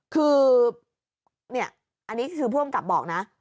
คือเนี่ยอันนี้คือผู้อำกับบอกนะ